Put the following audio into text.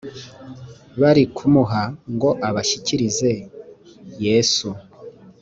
bari kumuha ngo abashyikirize yesu